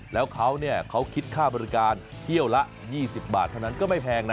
แล้วเขาคิดค่าบริการเที่ยวละ๒๐บาทเท่านั้นก็ไม่แพงนะ